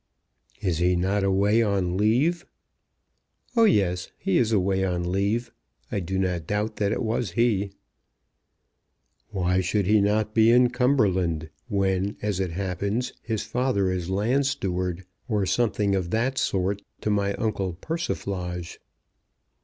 "Is he not away on leave?" "Oh, yes; he is away on leave. I do not doubt that it was he." "Why should he not be in Cumberland, when, as it happens, his father is land steward or something of that sort to my uncle Persiflage?"